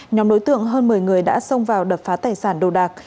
nhóm đối tượng hơn một mươi người đã xông vào đập phá tài sản đồ đạc